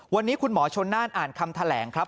วันนี้คุณหมอชนน่านอ่านคำแถลงครับ